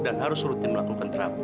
dan harus rutin melakukan terapi